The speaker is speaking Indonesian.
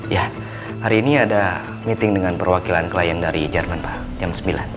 ya hari ini ada meeting dengan perwakilan klien dari jerman pak jam sembilan